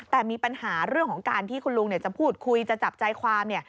แต่มีปัญหาเรื่องของการที่คุณลุงจะพูดคุยจะจับใจความเนี่ย